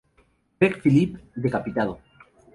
Greg Phillipe: Decapitado.